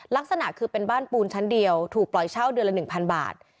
ลักษณะคือเป็นบ้านปูนชั้นเดียวถูกปล่อยเช่าเดือนละ๑๐๐บาท